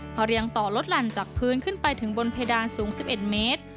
พอเรียงต่อลดหลั่นจากพื้นขึ้นไปถึงบนเพดานสูง๑๑เมตร